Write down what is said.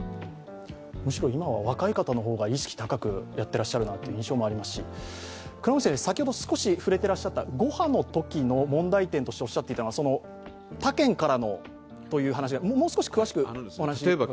むしろ今は若い方の方が意識を高くやっていらっしゃるなという印象がありますし先ほど少し触れていらっしゃった５波のときの問題点、他県からのという話、もう少し詳しくお話しいただけますか。